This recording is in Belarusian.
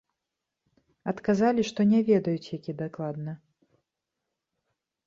Адказалі, што не ведаюць, які дакладна.